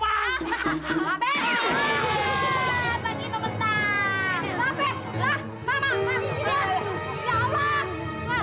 baca kaya gempal